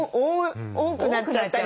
多くなっちゃったり。